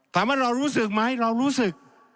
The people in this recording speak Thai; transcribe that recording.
ถามว่าเรารู้สึกไหมเรารู้สึก